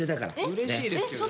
うれしいですけど。